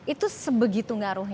itu sebegitu ngaruhnya